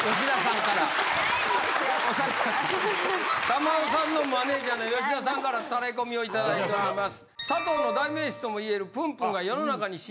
珠緒さんのマネジャーの吉田さんからタレコミをいただいております。